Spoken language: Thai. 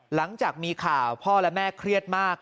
หลังจากมีข่าวพ่อและแม่เครียดมาก